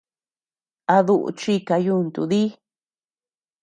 ¿A duʼu chika yuntu dí?